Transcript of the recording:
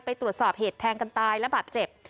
ไปตรวจสอบเหตุแทงกันตายและบาดเจ็บ